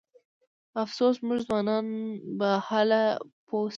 افسوس زموږ ځوانان به هله پوه شي.